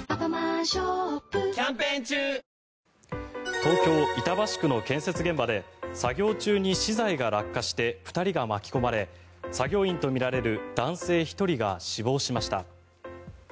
東京・板橋区の建築現場で作業中に資材が落下して２人が巻き込まれ作業員とみられる男性１人が死亡しました。